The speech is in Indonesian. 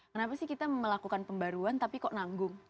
kenapa sih kita melakukan pembaruan tapi kok nanggung